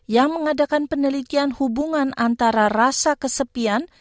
yang mengadakan penelitian hubungan antara rasa kesepian